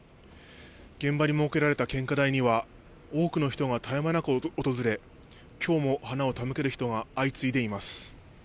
現場に設けられた献花台には、多くの人が絶え間なく訪れ、きょうも花を手向ける人が相次いでいます。